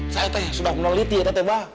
saya teh sudah meneliti ya teh mbak